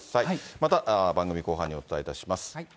また番組後半にお伝えいたします。